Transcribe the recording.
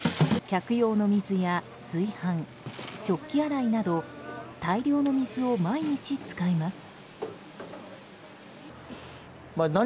調理にはもちろんのこと客用の水や炊飯、食器洗いなど大量の水を毎日使います。